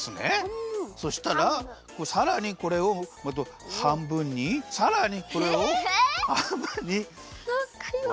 そしたらさらにこれをはんぶんにさらにこれをはんぶんにわります。